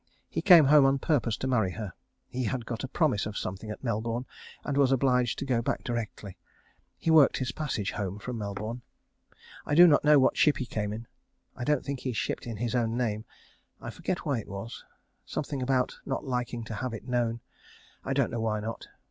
He came home on purpose to marry her. He had got a promise of something at Melbourne, and was obliged to go back directly. He worked his passage home from Melbourne. I do not know what ship he came in. I don't think he shipped in his own name. I forget why it was. Something about not liking to have it known. I don't know why not.